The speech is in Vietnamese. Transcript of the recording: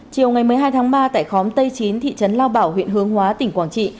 chiều một mươi hai ba tại khóm tây chín thị trấn lao bảo huyện hướng hóa tỉnh quảng trị